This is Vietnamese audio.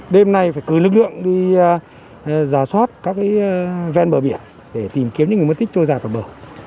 đêm nay phải cưới lực lượng đi giả soát các ven bờ biển để tìm kiếm những người mất tích trôi dài vào bờ